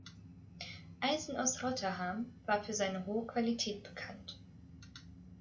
Eisen aus Rotherham war für seine hohe Qualität bekannt.